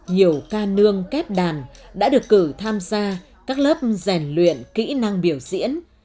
nhiều ca nương kép đàn đã được cử tham gia các lớp rèn luyện kỹ năng biểu diễn